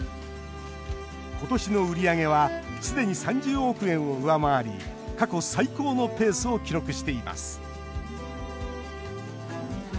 今年の売り上げはすでに３０億円を上回り過去最高のペースを記録しています。